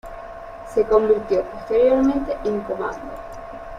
Se convirtió posteriormente en comando.